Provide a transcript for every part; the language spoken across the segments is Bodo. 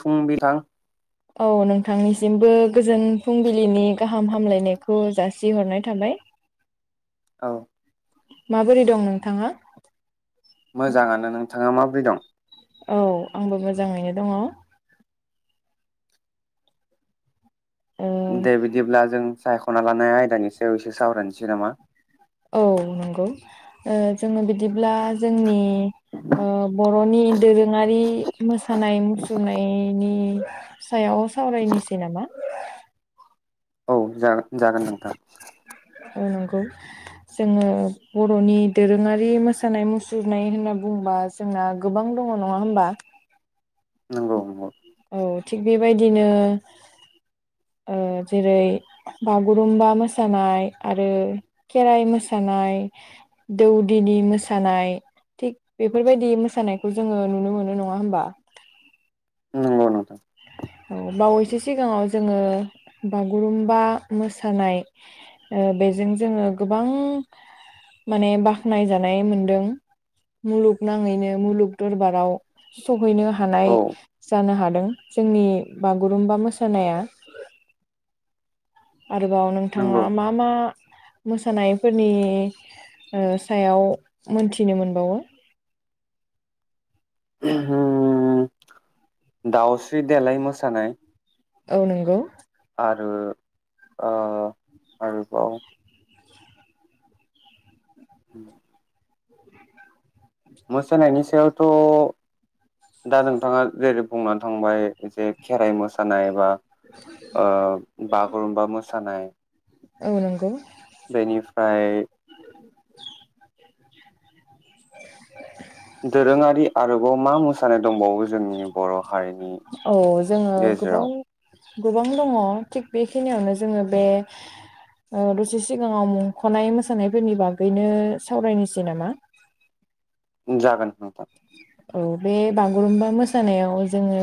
फुं बिदां औ नोंथांनिसिमबो गोजोन फुंबिलिनि गाहाम हामलायनाय खौ जासिहरनाय थाबाय औ माबोरै दं नोंथाङा? मोजाङानो नोंथाङा माबोरै दं? औ आंबो मोजाङैनो दङ दे बिदिब्ला जों सा ख'ना लानाय आयदानि सायाव एसे सावरायनोसै नामा औ नंगौ जोङो बिदिब्ला जोंनि बर'नि दोरोङारि मोसानाय मुसुरनाय सायाव सावरायनोसै नामा औ जागोन जागोन नोंथां औ नंगौ जोङो बर'नि दोरोङारि मोसानाय मुसुरनाय होनना बुंङोबा जोंना गोबां दङ नङा होमबा नंगौ नंगौ औ थिग बेबायदिनो जेरै बागुरुमबा मोसानाय आरो खेराइ मोसानाय दौदिनि मोसानाय थिग बेफोरबायदि मोसानायखौ जोङो नुनो मोनो नङा होमबा ओ नंगौ नोंथां औ बावैसो सिगाङाव जोङो बागुरुम्बा मोसानाय बेजों जोङो गोबां माने बाख्नाय जानाय मोनदों मुलुगनाङैनो मुलुग दरबाराव स नो हानाय औ जानो हा मोनदों जोंनि बागुरुम्बा मोसानाया आरोबाव नोंथाङा नंगौ मा मा मोसानायफोरनि सायाव मोनथिनो मोनबावो [inaudible] दाउस्रि देलाय मोसानाय औ नंगौ आरो आरोबाव उम मोसानायनि सायावथ' दा नोंथाङा जेरै बुंनानै थांबाय जे खेराइ मोसानाय बा ओ बागुरुमबा मोसानाय औ नंगौ बेनिफ्राय [inaudible] दोरोङारि आरोबाव मा मोसानाय दंबावो जोंनि बर' हारिनि औ जोङो गोबां गेजेराव गोबां दङ थिग बे खिनियावनो जोङो बे दसे सिगाङाव मुंख'नाय मोसानायफोरनि बागैनो सावरायनोसै नामा? जागोन नोंथां औ बे बागुरुम्बा मोसानायाव जोङो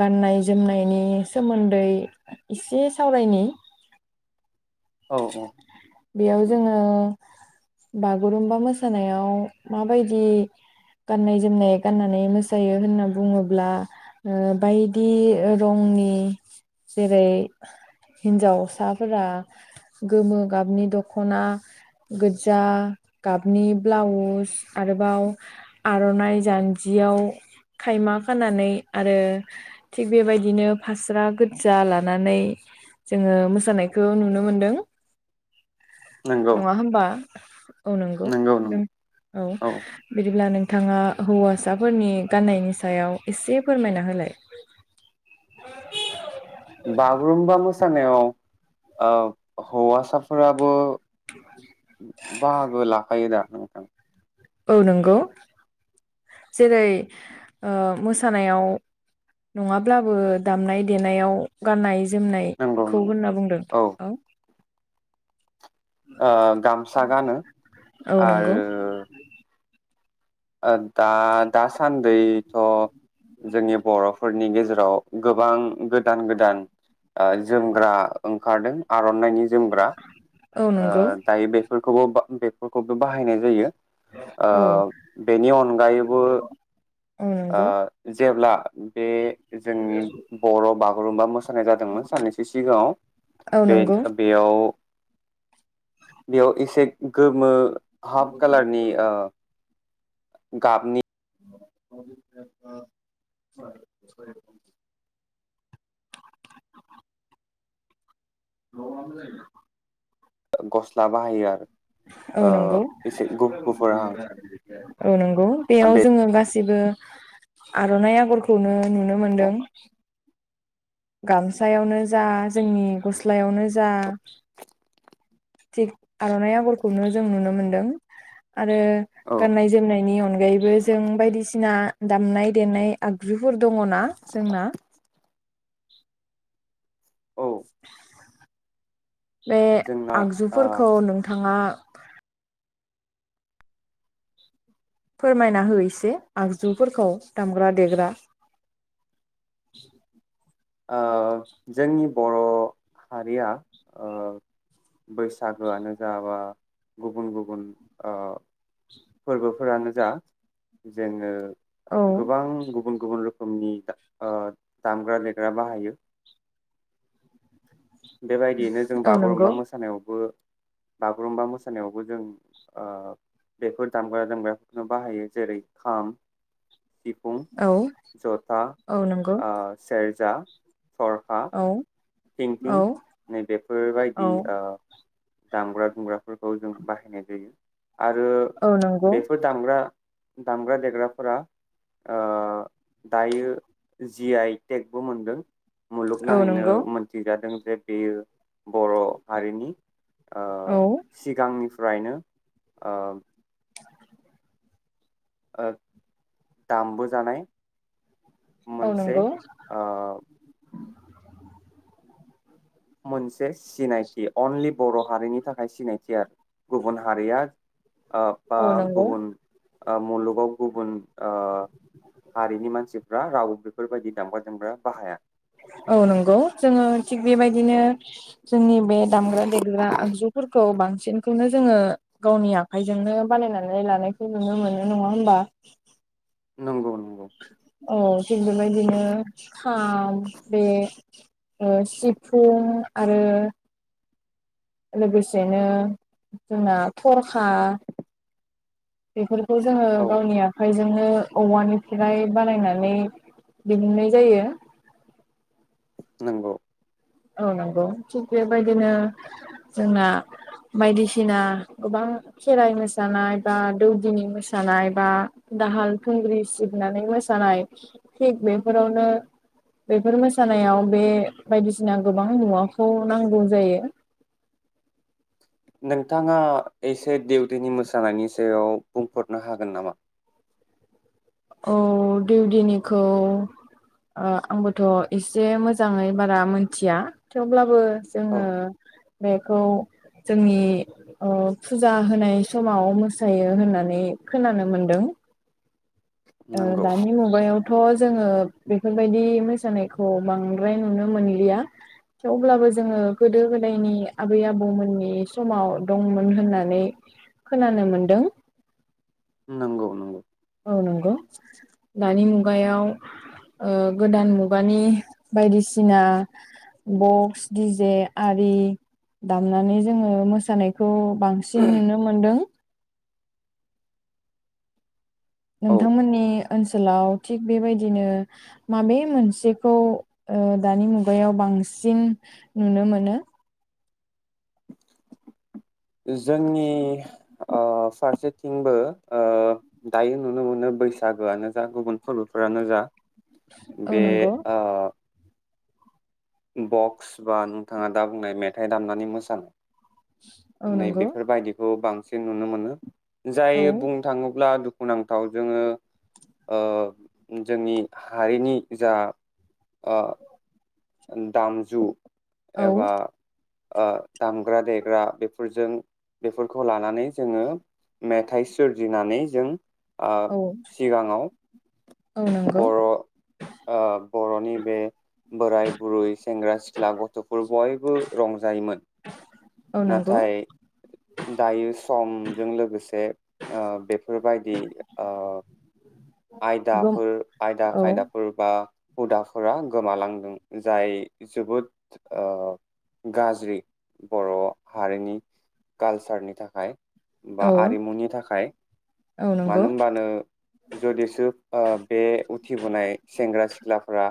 गाननाय जोमनायनि सोमोन्दै एसे सावरायनि औ औ बेयाव जोङो बागुरुमबा मोसानायाव माबायदि गाननाय जोमनाय गाननानै मोसायो होनना बुङोब्ला बायदि रंनि जेरै हिन्जावसाफोरा गोमो गाबनि दख'ना गो्जा गाबनि ब्लाउस आरोबाव आर'नाइ जान्जियाव खायमा खानानै आरो थिग बेबायदिनो फास्रा गोजजा लानानै जोङो मोसानायखौ नुनो मोनो। नंगौ नङा होमबा औ नोंगौ नंगौ नंगौ नों औ बिदिब्ला नों नोंथाङा हौवासाफोरनि गाननायनि सायाव एसे फोरमायना होलाय बागुरुमबा मोसा नायाव हौवासाफोराबो बाहागो ला योदा नोंथां औ नंगौ जेरै ओ मोसानायाव नङाब्लाबो दामनाय देनायाव गान्नाय नंगौ जोमनायखौ नंगौ होनना बुंदों औ आ गामसा गानो औ नंगौ आरो आ दा दासान्दै थ जोंनि बर' फोरनि गेजेराव गोबां गोदान गोदान ओ जोमग्रा ओंखारदों आर'नाइनि जोमग्रा औ नंगौ दायो बेफोरखौबो बेफोरखौबो बाहायनाय जायो। औ ओ बेनि अनगायैबो औ नंगौ ओ जेब्ला बे जोंनि बर' बा गुरुमबा मोसा नाय जादोंमोन साननैसो सिगाङाव औ बे नंगौ बेयाव बेयाव एसे गोमो हाफ कालारनि गाबनि [unintelligible] [unintelligible] गस्ला बाहायो आरो औ नंगौ ओ एसे गुफुरहां औ नंगौ बेयाव बे जोङो गासै जेबो आर'नाइ आगरखौनो नुनो मोनदों औ गामसायावनो जा जोंनि गस्लायावनो जा जा थिग आर'नाइ आगरखौनो जों नुनो मोनदों । आरो गाननाय जोमनायनि अनगायैबो जों बायदिसिना दामनाय देनाय आगजुफोर दङना जोंना? [inaudible] औ बे जोंना ओ आगजुफोरखौ नोंथाङा फोरमायना हो एसे आगजुफोरखौ दामग्रा देग्रा । ओ जोंनि बर' हारिया ओ बैसागोआनो जा बा गुबुन गुबुन ओ फोरबोफोरानो जा जोङो औ गोबां गुबुन गुबुन रोखोमनि ओ दामग्रा देग्रा बाहायो । बेबायदियैनो जों औ नंगौ बागुरुमबा मोसानायावबो बागुरुम्बा मोसानायावबो जोंओ बेफोर दामग्रा दोमग्राफोरखौ बाहायो जेरै खाम सिफुं औ जथा औ नंगौ ओ सेर जा औ थिं औ थिं नै औ बेेफोरबायदि ओ दामग्रा दुग्रा फोरखौ जों बाहायनाय जायो । आरो औ नंगौ बेफोर दामग्रा दामग्रा देग्राफोरा ओ दायो ओ जि आइ टेकबो मोनदों । औ मुलुगनाङैनो नंगौ मोन जादों जे बेयो बर' हारिनि ओ औ सिगांनि फ्रायनो ओ ओ दामबो जानाय औ मोनसे नंगौ ओ मोनसे सिनायथि अनलि बर' हारिनि थाखाय सिनायथि आरो गुबुन हारिया ओ फा औ नंगौ गुबुन ओ मुलुगाव गुबुन ओ हारिनि मानसिफ्रा राव बेफोरबायदि दामग्रा जोमग्रा बाहाया। औ नंगौ जोङो थिग बेबायदिनो औ जोंनि बे दामग्रा देग्रा आगजुफोरखौ बां सिनखौनो जोङो गावनि आखायजोंनो बानायनानै लानायखौ नुनो मोनो नङा होमबा? नंगौ नंगौ औ थिग बेबायदिनो खाम बे ओ सिफुं आरो लोगोसेनो जोंना थरखा बेफोर खौ जोङो औ गावनि आखाइजोंनो औवानि फ्राय बानायनानै दिहुननाय जायो। नोंगौ औ नोंगौ थिग बेबायदिनो जोंना बायदिसिना गोबां खेराइ मोसानाय बा दौदिनि मोसानाय बा दाहाल थुंग्रि सिबनानै मोसानाय थिग बेफोरावनो बेफोर मोसानायाव बे बायदिस सिना गोबां मुवाखौ नांगौ जायो। नोंथाङा एसे देवदिनि मोसानायनि सायाव बुंफोरनो हागोन नामा? औ देवदिनिखौ ओ आंबोथ' एसे मोजाङै बारा मोनथिया थेवब्लाबो औ जोङो बेखौ जोंनि ओ फुजा होनाय समाव मोसायो होननानै खोनानो मोनदों। ओ नंगौ दानि मुगायावथ' जोङो बेफोरबायदि मोसानायखौ बांद्राय नुनो मोनलिया थेवब्लाबो जोङो गोदो गोदायनि आबै आबौमोननि समाव दंमोन होननानै खोनानो मोनदों। नोंगौ नोंगौ। औ नोंगौ दानि मुगायाव गोदान मुगानि बायदिसिना बक्स डि जे आरि दामनानै जोङो मोसानायखौ बांसिन नुनो मोनदों। औ नोंथांमोननि ओनसोलाव थिग बेबायदिनो माबे मोनसेखौ ओ दानि मुगायाव बांसिन नुनो मोनो? जोंनि ओ फारसेथिंबो ओ दायो नुनो मोनो बैसागोआनो जा गुबुन फोरबोफोरानो जा औ बे नंगौ ओ बक्स बा नोंथाङा दा बुंनाय मेथाइ दामनानै मोसानाय औ नै नंगौ बेफोरबायदिखौ बांसि सिन नुनो मोनो। औ जाय बुं थाङोब्ला दु खुनांथाव जोङो ओ जोंनि हारिनि जा ओ दामजु औ एबा ओ दामग्रा देग्रा बेफोरजों बेफोरखौ लानानै जोङो मेथाइ सोरजिनानै जों आ औ सिगाङाव औ नंगौ बर' ओ बर'नि बे बोराय बुरै सेंग्रा सिख्ला गथ'फोर बयबो रंजायोमोन। औ नोंगौ। नाथाय दायो समजों लोगोसे ओ बेफोर बायदि ओ गम आयदाफोर आयदा औ खायदाफोर बा हुदाफोरा गोमालांदों जाय जोबोद ओ गाज्रि बर' हारिनि कालसारनि थाखाय। बा औ आरिमुनि थाखाय औ नंगौ मानो होमबानो जुदिसो ओ बे उथिबोनाय सेंग्रा सिख्लाफोरा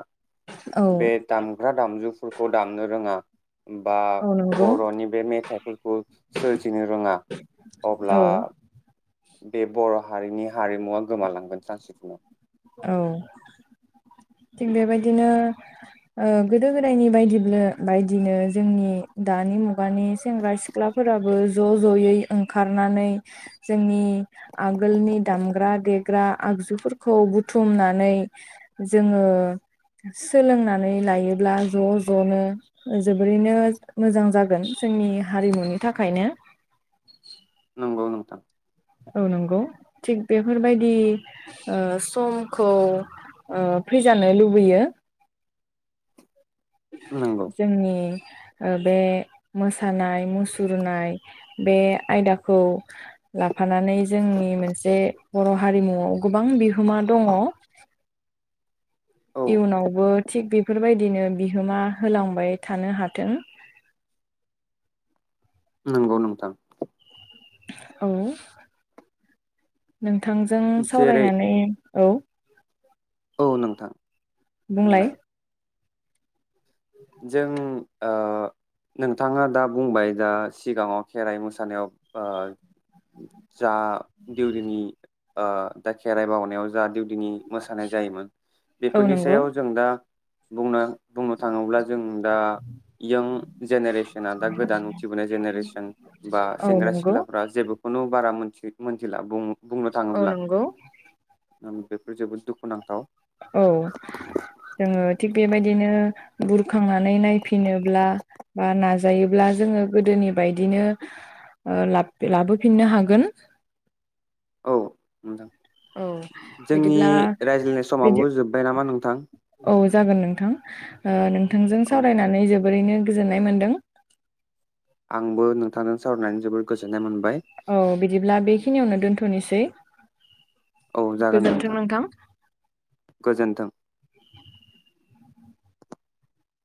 औ बे दामग्रा दामजुफोरखौ दामनो रोङा बा औ नंगौ बर'नि बे मेथाइफोरखौ सोरजिनो रोङा अब्ला औ बे बर' हारिनि हारिमुवा गोमालांगोन सानखिनियाव औ थिग बेबायदिनो ओ गोदो गोदायनि बायदि बायदिनो जोंनि दानि मुगानि सेंग्रा सिख्लाफोराबो ज' ज'यै ओंखारनानै जोंनि आगोलनि दामग्रा देग्रा आगजुफोरखौ बुथुमनानै जोङो सोलोंनानै लायोब्ला ज' ज'नो जोबोरैनो मोजां जागोन जोंनि हारिमुनि थाखायनो नंगौ नोंथां औ नंगौ थिग बेफोरबायदि ओ समखौ ओ फैजानो लुबैयो। नंगौ जोंनि ओ बे मोसानाय मुसुरनाय बे आयदाखौ लाफानानै जोंनि मोनसे बर' हारिमुआव गोबां बिहोमा दङ। औ इयुनावबो थिग बे फोरबायदिनो बिहोमा होलांबाय थानो हाथों नंगौ नोंथां औ नों थांजों जेरै सावरायनानै औ औ नोंथां बुंलाय जों ओ नोंथाङा दा बुंबाय दा सिगाङाव खेराइ मोसानायाव ओ जा देउरिनि ओ दा खेराइ बावनायाव जा देउ दिनि मोसानाय जायोमोन औ बेफोरनि नंगौ सायाव जों दा बुं बुंनो थाङोब्ला जों दा यां जेनेरेसना दा गोदान उथिबोनाय जेनेरेसन बा औ सेंग्रा नंगौ सिख्लाफ्रा जेबो खुनु बारा मोनथियै मोनथिला बुङो औ नंगौ बेफोर जोबोद दुखुनांथाव औ जोङो थिग बेबायदिनो बुरखांनानै नायफिनोब्ला बा नाजायोब्ला जोङो गोदोनि बायदिनो लाबोफिननो हागोन औ नोंथां औ जोंनि बिदिब्ला रायज्लायनाय बिदि समावब जोब्बाय नामा नोंथां औ जागोन नोंथां नोंथांजों औ सावरायनानै जोबोरैनो गोजोननाय मोन्दों आंबो नोंथांजों सावरायनानै जोबोद गोजोननाय मोन औ बिदिब्ला बेखिनियावनो दोनथ थनिसै औ जागोन नोंथां गोजोन्थों